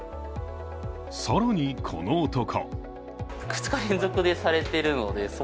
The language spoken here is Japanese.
更にこの男